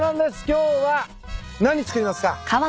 今日は何作りますか？